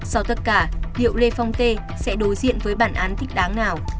sau tất cả hiệu lê phong tê sẽ đối diện với bản án thích đáng nào